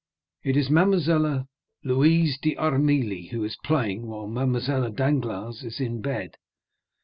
"It is Mademoiselle Louise d'Armilly, who is playing while Mademoiselle Danglars is in bed."